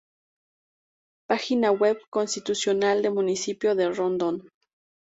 Página web institucional del municipio de Rondon